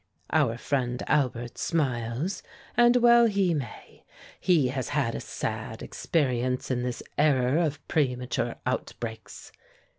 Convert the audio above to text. "Our friend Albert smiles, and well he may. He has had a sad experience in this error of premature outbreaks.